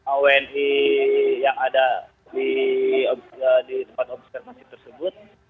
wni yang ada di tempat observasi tersebut